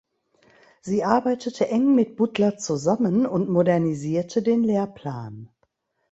Sie arbeitete eng mit Butler zusammen und modernisierte den Lehrplan.